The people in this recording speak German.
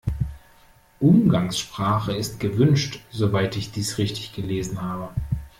Umgangssprache ist gewünscht, soweit ich dies richtig gelesen habe.